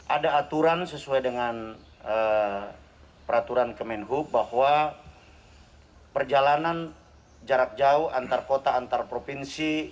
ada aturan sesuai dengan peraturan kemenhub bahwa perjalanan jarak jauh antar kota antar provinsi